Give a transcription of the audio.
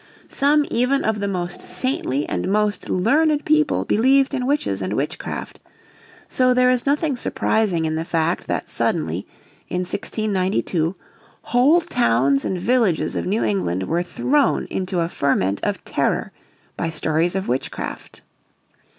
Some even of the most saintly and most learned people, believed in witches and witchcraft. So there is nothing surprising in the fact that suddenly, in 1692, whole towns and villages of New England were thrown into a ferment of terror by stories of witchcraft.